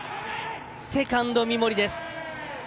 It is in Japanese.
セカンド三森です。